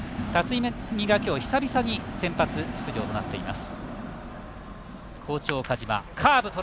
汰積みが、今日久々に先発出場となっています。